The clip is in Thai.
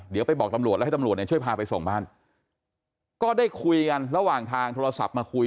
เดี๋ยวไปบอกตำรวจแล้วให้ตำรวจเนี่ยช่วยพาไปส่งบ้านก็ได้คุยกันระหว่างทางโทรศัพท์มาคุย